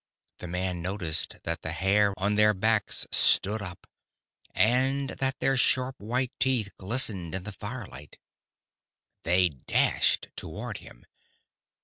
The man noticed that the hair on their backs stood up and that their sharp, white teeth glistened in the firelight. They dashed toward him.